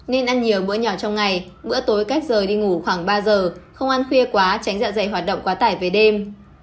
nên ăn nhiều bữa nhỏ trong ngày bữa tối cách rời đi ngủ khoảng ba giờ không ăn khuya quá tránh dạ dày hoạt động quá tải về đêm